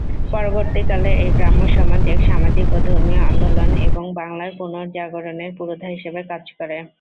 পরবর্তীকালে এই ব্রাহ্মসমাজ এক সামাজিক ও ধর্মীয় আন্দোলন এবং বাংলার পুনর্জাগরণের পুরোধা হিসাবে কাজ করে।